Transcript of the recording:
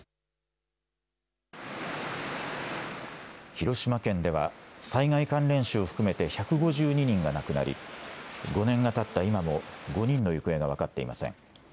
広島県では災害関連死を含めて１５２人が亡くなり５年がたった今も５人の行方が分かっていません。